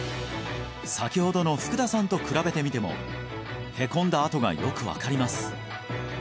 先ほどの福田さんと比べてみてもへこんだ跡がよく分かります